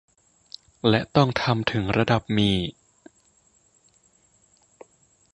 และต้องทำถึงระดับมี